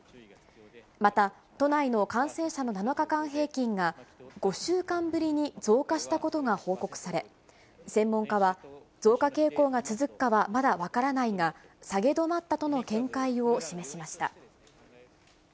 また、都内の感染者の７日間平均が、５週間ぶりに増加したことが報告され、専門家は、増加傾向が続くかは、まだ分からないが、下げ止まったとの見解を示しました。